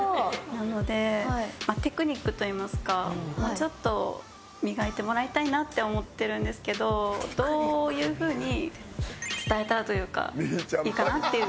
なのでテクニックといいますかもうちょっと磨いてもらいたいなって思ってるんですけどどういう風に伝えたらというかいいかなっていう。